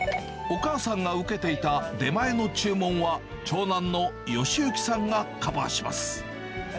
お母さんが受けていた出前の注文は、長男の悦之さんがカバーします。